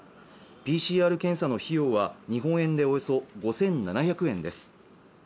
ＰＣＲ検査の費用は日本円でおよそ５７００円です